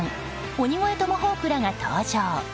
鬼越トマホークらが登場。